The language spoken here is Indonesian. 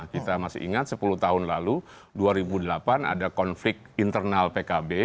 kita masih ingat sepuluh tahun lalu dua ribu delapan ada konflik internal pkb